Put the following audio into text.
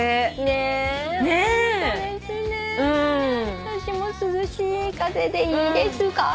私も「涼しい風」でいいですか？